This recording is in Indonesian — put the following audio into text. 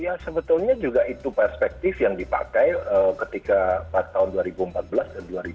ya sebetulnya juga itu perspektif yang dipakai ketika tahun dua ribu empat belas dan dua ribu dua